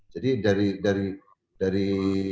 jadi dari dari dari